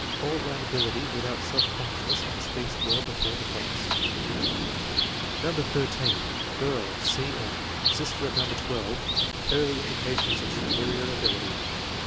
. All round ability. Without self consciousness and speaks well before the class. No. 13. Girl: C. M. Sister of No. 12. Early in dications of superior ability.